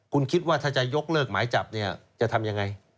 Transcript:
คุณคิดว่าถ้าจะยกเลิกหมายจับเนี่ยจะทำยังไง